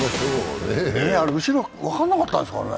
後ろ、分かんなかったんですかね。